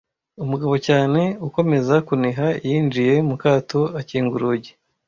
umugabo cyane ukomeza kuniha yinjiye mu kato akinga urugi